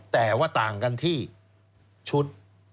แต่ว่าต่างกันที่ชุด